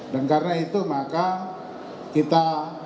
dan karena itu maka kita